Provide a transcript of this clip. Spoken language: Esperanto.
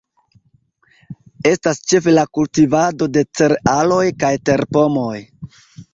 Estas ĉefe la kultivado de cerealoj kaj terpomoj.